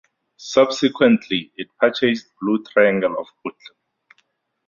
Subsequently it purchased Blue Triangle of Bootle.